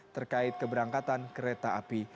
terkait keberangkatan kereta api